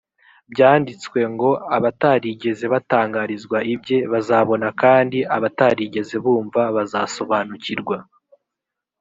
byanditswe ngo abatarigeze batangarizwa ibye bazabona kandi abatarigeze bumva bazasobanukirwa